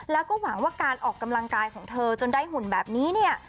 แล้วก็หวังว่าการออกกำลังกายของเธอจนได้หุ่นแบบนี้เนี่ย